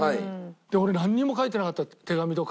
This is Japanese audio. で俺なんにも書いてなかった手紙とか。